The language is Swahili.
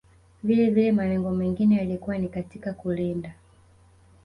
Vilevile malengo mengine yalikuwa ni katika kulinda